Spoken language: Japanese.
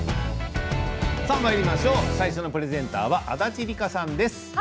最初のプレゼンターは足立梨花さんです。